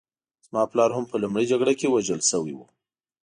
زما پلار هم په لومړۍ جګړه کې وژل شوی و